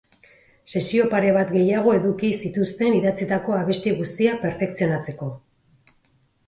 Sesio pare bat gehiago eduki zituzten idatzitako abesti guztiak perfekzionatzeko.